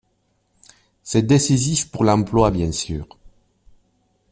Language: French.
C’est décisif pour l’emploi bien sûr.